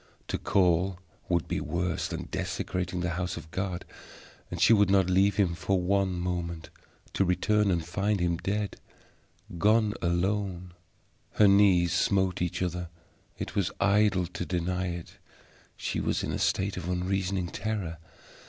To call would be worse than desecrating the house of God, and she would not leave him for one moment. To return and find him dead gone alone! Her knees smote each other. It was idle to deny it; she was in a state of unreasoning terror.